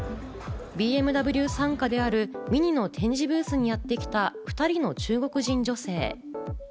ＢＭＷ傘下であるＭＩＮＩの展示ブースにやってきた、２人の中国人女性。